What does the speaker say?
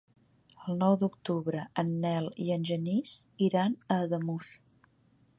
El nou d'octubre en Nel i en Genís iran a Ademús.